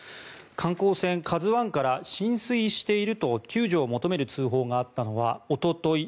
観光船「ＫＡＺＵ１」から浸水していると救助を求める通報があったのはおととい